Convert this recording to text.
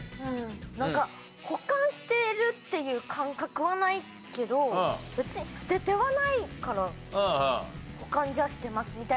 なんか保管してるっていう感覚はないけど別に捨ててはないから保管じゃあしてますみたいな。